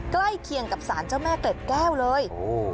ใกล้เคียงกับสารเจ้าแม่เกล็ดแก้วเลย